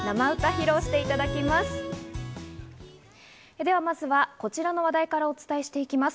では、まずはこちらの話題からお伝えしていきます。